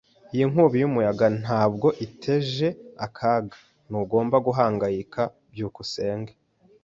Iyi nkubi y'umuyaga ntabwo iteje akaga. Ntugomba guhangayika. byukusenge